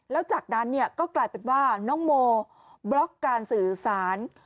แล้วจากนั้นก็กลายเป็นว่าน้องโมบล็อกการสื่อสาร